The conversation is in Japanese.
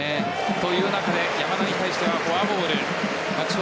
という中で山田に対してはフォアボールです。